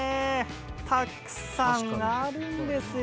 たくさんあるんですよ